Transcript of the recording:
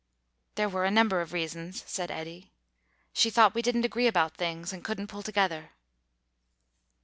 "There were a number of reasons," said Eddy. "She thought we didn't agree about things and couldn't pull together."